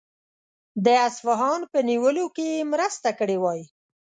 د اصفهان په نیولو کې یې مرسته کړې وای.